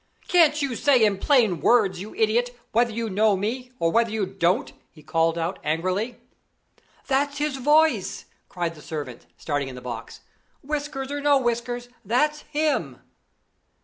"Can't you say in plain words, you idiot, whether you know me or whether you don't?" he called out, angrily. "That's his voice!" cried the servant, starting in the box. "Whiskers or no whiskers, that's him!"